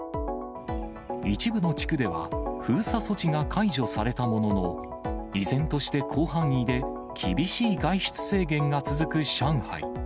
一部の地区では封鎖措置が解除されたものの、依然として広範囲で、厳しい外出制限が続く上海。